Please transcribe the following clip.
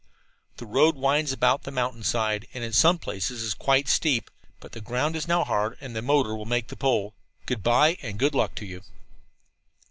"The road winds about the mountain side, and in some places is quite steep. But the ground is now hard and the motor will make the pull. Good by, and good luck to you."